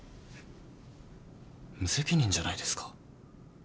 無責任じゃないですか。